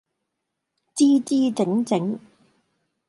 姿姿整整